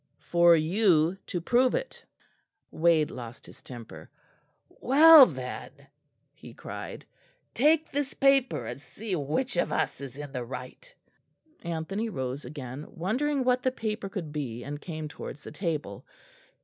"For you to prove it." Wade lost his temper. "Well, then," he cried, "take this paper and see which of us is in the right." Anthony rose again, wondering what the paper could be, and came towards the table.